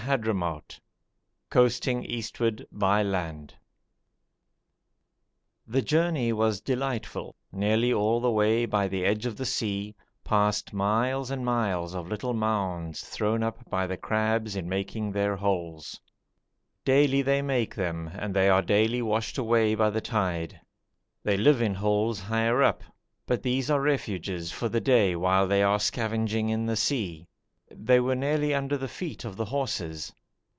CHAPTER XVI COASTING EASTWARD BY LAND The journey was delightful, nearly all the way by the edge of the sea, past miles and miles of little mounds thrown up by the crabs in making their holes: daily they make them, and they are daily washed away by the tide. They live in holes higher up, but these are refuges for the day while they are scavenging in the sea. They were nearly under the feet of the horses.